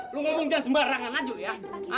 lo ngomong jangan sembarangan aja ya